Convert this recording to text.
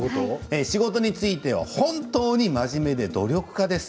仕事については本当に真面目で努力家です。